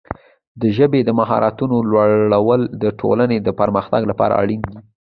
د ژبې د مهارتونو لوړول د ټولنې د پرمختګ لپاره اړین دي.